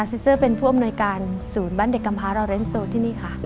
ซิเซอร์เป็นผู้อำนวยการศูนย์บ้านเด็กกำพาเราเล่นโซนที่นี่ค่ะ